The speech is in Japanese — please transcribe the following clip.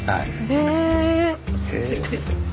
へえ。